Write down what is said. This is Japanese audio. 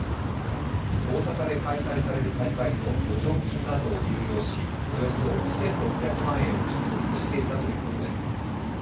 大阪で開催される大会の余剰金などを流用しおよそ２６００万円を着服していたということです。